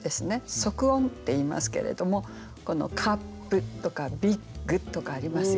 促音っていいますけれども「カップ」とか「ビッグ」とかありますよね。